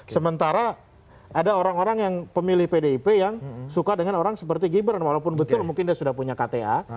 sementara ada orang orang yang pemilih pdip yang suka dengan orang seperti gibran walaupun betul mungkin dia sudah punya kta